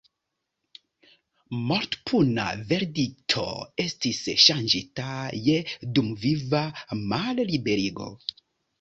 Mortpuna verdikto estis ŝanĝita je dumviva malliberigo.